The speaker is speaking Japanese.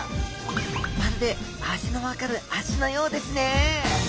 まるで味のわかる足のようですね